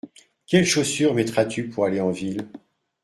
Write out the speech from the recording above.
Quelles chaussures mettras-tu pour aller en ville ?